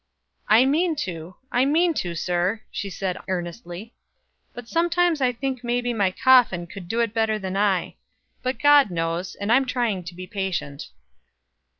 "I mean to, I mean to, sir," she said earnestly, "but sometimes I think maybe my coffin could do it better than I; but God knows and I'm trying to be patient."